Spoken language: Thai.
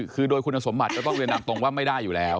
คือโดยคุณสมบัติก็ต้องเรียนตามตรงว่าไม่ได้อยู่แล้ว